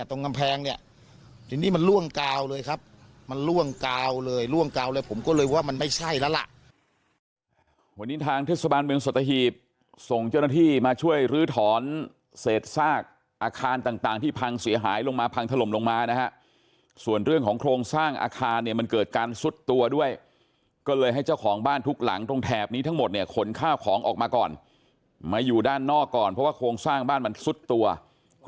ทีนี้มันล่วงกาวเลยครับมันล่วงกาวเลยล่วงกาวเลยผมก็เลยว่ามันไม่ใช่แล้วล่ะวันนี้ทางทศบาลเมืองสตหีพส่งเจ้าหน้าที่มาช่วยลื้อถอนเสร็จซากอาคารต่างต่างที่พังเสียหายลงมาพังถล่มลงมานะฮะส่วนเรื่องของโครงสร้างอาคารเนี่ยมันเกิดการซุดตัวด้วยก็เลยให้เจ้าของบ้านทุกหลังตรงแถบนี้ทั้งหมดเน